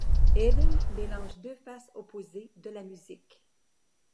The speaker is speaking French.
Hevein mélange deux faces opposées de la musique.